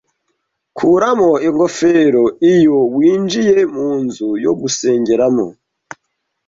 Kuramo ingofero iyo winjiye munzu yo gusengeramo.